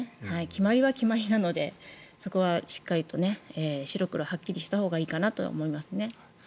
決まりは決まりなのでそこはしっかりと白黒はっきりしたほうがいいかなと思いますね。